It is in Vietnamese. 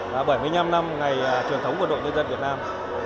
và bảy mươi năm năm ngày truyền thống của đội nhân dân việt nam